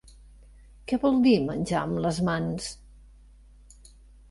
Què vol dir menjar amb les mans?